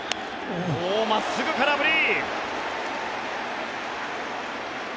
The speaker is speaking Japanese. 真っすぐ、空振り！